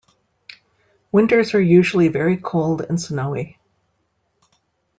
Winters are usually very cold and snowy.